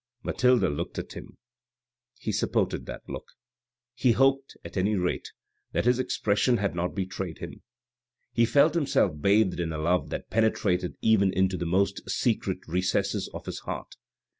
Mathilde looked at him. He supported that look. He hoped, at anynate, that his expression had not betrayed him. A BOX AT THE BOUFFES 433 He felt himself bathed in a love that penetrated even into the most secret recesses of his heart.